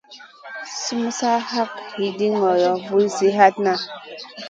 Sumun sa lak wiɗi ŋolo, vulzi hatna.